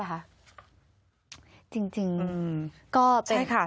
อันนี้ฟ้องกันได้ป่ะคะ